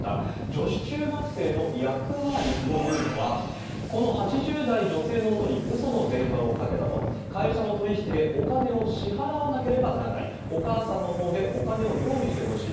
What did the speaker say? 女子中学生の役割というのは、この８０代女性のもとにうその電話をかけたと、会社の取り引きでお金を支払わなければならない、お母さんのほうでお金を用意してほしい。